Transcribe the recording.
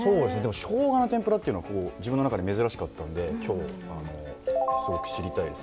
しょうがの天ぷらというのは珍しかったので今日すごく知りたいです。